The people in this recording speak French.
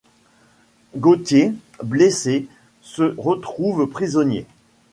Gauthier, blessé, se retrouve prisonnier.